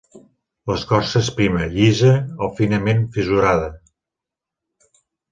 L'escorça és prima, llisa o finament fissurada.